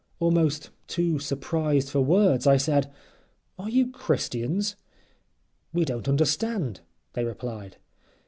Almost too surprised for words I said: "Are you Christians?" "We don't understand," they replied.